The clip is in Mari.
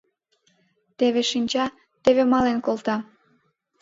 Теве шинча, теве мален колта...